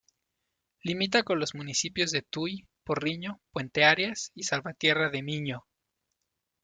Limita con los municipios de Tui, Porriño, Puenteareas y Salvatierra de Miño.